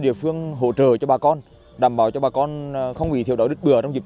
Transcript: giúp bà con đảm bảo sức khỏe để vui xuân đón tết